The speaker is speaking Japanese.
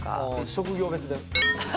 職業別で？